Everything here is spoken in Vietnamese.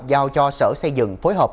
giao cho sở xây dựng phối hợp